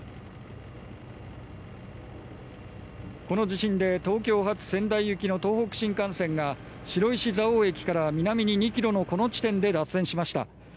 この地震で東京発仙台行きの東北新幹線が白石蔵王駅から南に２ｋｍのこの地点で脱線しました。